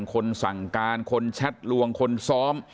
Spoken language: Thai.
คนสั่งการคนแชทลวงคนซ้อม